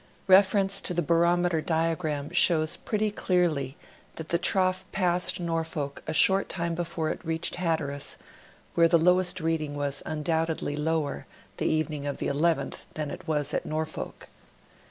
Reference to the Barometer Diagram shows pretty clearly that the trough passed Norfolk a short time before it reached Hatteras, where the lowest reading was undoubtedly lower, the evening of the 11th, than it was at Norfolk.